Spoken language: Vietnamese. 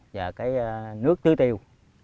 và cái nước chứ tiêu